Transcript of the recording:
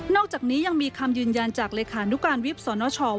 นอกจากนี้ยังมีคำยืนยันจากรนวิบสชว่า